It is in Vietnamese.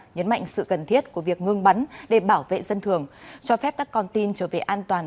nhấn mạnh sự cần thiết của việc ngưng bắn để bảo vệ dân thường cho phép các con tin trở về an toàn